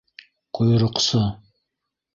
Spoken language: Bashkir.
Ҡойроҡсо...